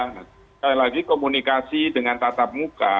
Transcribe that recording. sekali lagi komunikasi dengan tatap muka